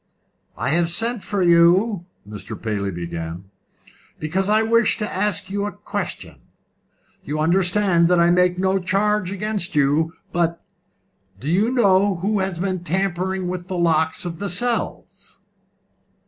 "I have sent for you," Mr. Paley began, "because I wish to ask you a question. You understand that I make no charge against you, but do you know who has been tampering with the locks of the cells?"